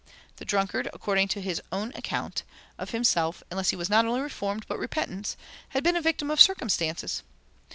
The drunkard, according to his own account of himself (unless he was not only reformed, but repentant), had been a victim of circumstances.